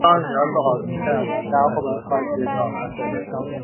每个像素的值都是周围相邻像素值的加权平均。